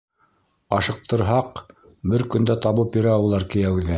Ашыҡтырһаҡ, бер көндә табып бирә улар кейәүҙе.